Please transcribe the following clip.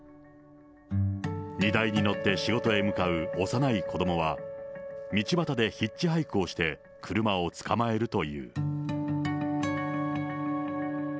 荷台に乗って仕事に向かう幼い子どもは、道端でヒッチハイクをして車をつかまえるという。